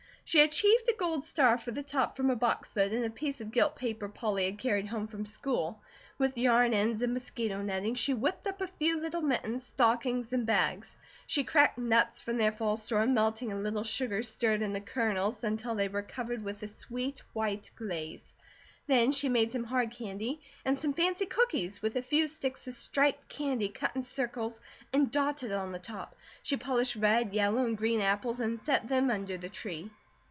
She achieved a gold star for the top from a box lid and a piece of gilt paper Polly had carried home from school. With yarn ends and mosquito netting, she whipped up a few little mittens, stockings, and bags. She cracked nuts from their fall store and melting a little sugar stirred in the kernels until they were covered with a sweet, white glaze. Then she made some hard candy, and some fancy cookies with a few sticks of striped candy cut in circles and dotted on the top. She polished red, yellow, and green apples and set them under the tree.